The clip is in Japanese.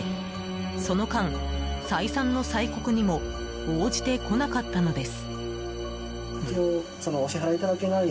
その間、再三の催告にも応じてこなかったのです。